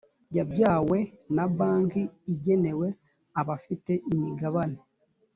yabyawe na banki igenewe abafite imigabane